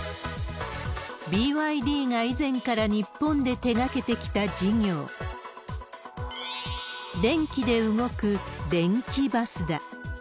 ＢＹＤが以前から日本で手がけてきた事業、電気で動く電気バスだ。